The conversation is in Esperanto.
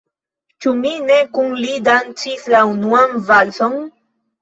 Ĉu mi ne kun li dancis la unuan valson?